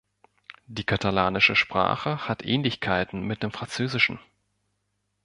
Die katalanische Sprache hat Ähnlichkeiten mit dem Französischen.